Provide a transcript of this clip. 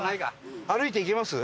歩いて行けます？